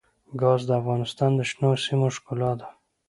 ګاز د افغانستان د شنو سیمو ښکلا ده.